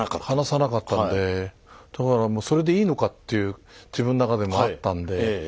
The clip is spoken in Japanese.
話さなかったんでだからもうそれでいいのかっていう自分の中でもあったんで。